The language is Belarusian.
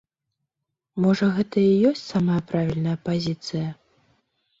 Можа гэта і ёсць самая правільная пазіцыя?